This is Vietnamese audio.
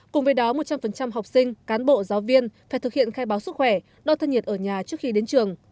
cùng với đó một trăm linh học sinh cán bộ giáo viên phải thực hiện khai báo sức khỏe đo thân nhiệt ở nhà trước khi đến trường